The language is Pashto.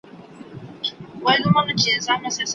ښوونکی باید د مشاور رول هم ولوبوي.